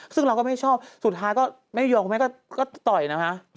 ซึ่งเราก็ไม่ชอบสุดท้ายก็ไม่ยอมคุณแม่ก็ต่อยนะคะ